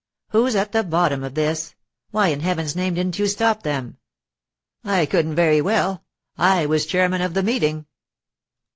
'Who's at the bottom of this? Why, in heaven's name, didn't you stop them?' 'I couldn't very well; I was chairman of the meeting.